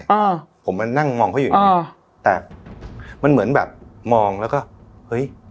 อ่าผมมานั่งมองเขาอยู่อย่างงี้อ๋อแต่มันเหมือนแบบมองแล้วก็เฮ้ย